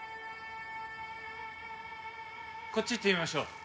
こっち行ってみましょう。